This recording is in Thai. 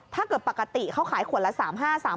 ถ้าเกิดปกติเขาขายขวดละ๓๕๓บาท